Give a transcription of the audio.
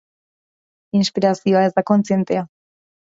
Inspirazioa ez da kontzientea.